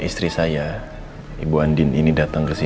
saya mau tanya